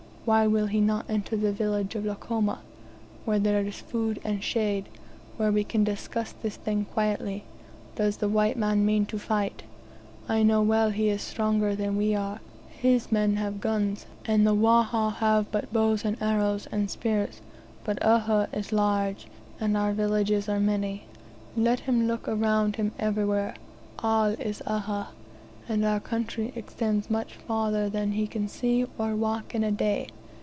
Why will he not enter the village of Lukomo, where there is food and shade where we can discuss this thing quietly? Does the white man mean to fight? I know well he is stronger than we are. His men have guns, and the Wahha have but bows and arrows, and spears; but Uhha is large, and our villages are many. Let him look about him everywhere all is Uhha, and our country extends much further than he can see or walk in a day.